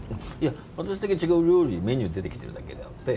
私だけ違うメニューが出ているだけであって。